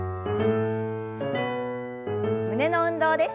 胸の運動です。